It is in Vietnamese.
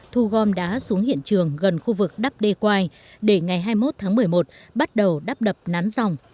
thu gom đá xuống hiện trường gần khu vực đắp đê quai để ngày hai mươi một tháng một mươi một bắt đầu đắp đập nắn dòng